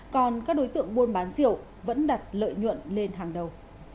còn các đối tượng buôn bán rượu vẫn đặt lợi nhuận lên hàng đầu